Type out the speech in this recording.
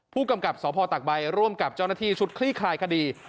ผู้กำกับสพตักใบร่วมกับเจ้าหน้าที่ชุดคลี่คลายคดี